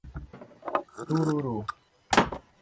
Tururu